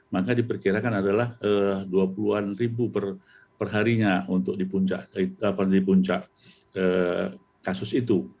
maka diperkirakan adalah dua puluh an ribu perharinya untuk di puncak kasus itu